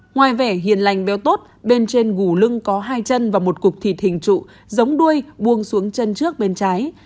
ngoài vẻ hiền lành béo tốt bên trên gù lưng có hai chân và một cục thịt hình trụ giống đuôi buông xuống chân trước bên trái